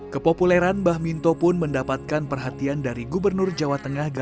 kepopuleran bah minto pun mendapatkan perhatian dari gubernur jawa tengah ganjar